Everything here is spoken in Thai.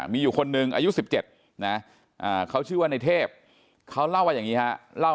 มีอยู่คนนึงอายุสิบเจ็ดนะเขาชื่อว่าในเทพเขาเล่าว่าอย่างนี้ครับ